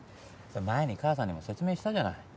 前に母さんにも説明したじゃない。